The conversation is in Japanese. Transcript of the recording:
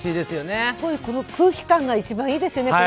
すごい、この空気感が一番いいですよね。